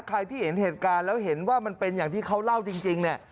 ใครที่เห็นเหตุการณ์แล้วเห็นว่ามันเป็นอย่างที่เขาเล่าจริงเนี่ย